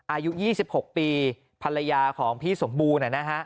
อายุ๒๖ปีภรรยาของพี่สมบูรณ์นะฮะ